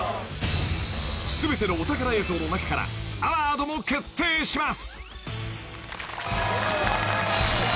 ［全てのお宝映像の中からアワードも決定します］